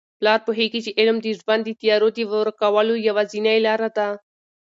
پلار پوهیږي چي علم د ژوند د تیارو د ورکولو یوازینۍ لاره ده.